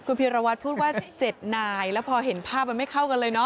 คุณพีรวัตรพูดว่า๗นายแล้วพอเห็นภาพมันไม่เข้ากันเลยเนอ